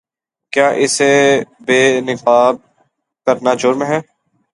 کیا اسے بے نقاب کرنا جرم ہے؟